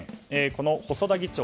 この細田議長